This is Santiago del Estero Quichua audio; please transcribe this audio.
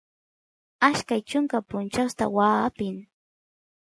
ashkay chunka punchawsta waa apin